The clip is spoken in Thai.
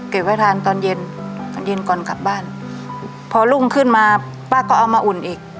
ไว้ทานตอนเย็นตอนเย็นก่อนกลับบ้านพอรุ่งขึ้นมาป้าก็เอามาอุ่นอีก